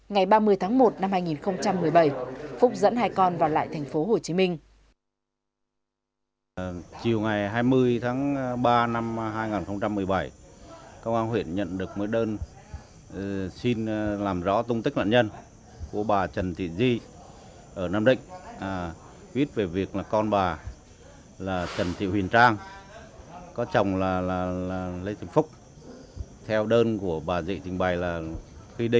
ngày ba mươi tháng một năm hai nghìn một mươi bảy phúc dẫn hai con vào lại thành phố hồ chí minh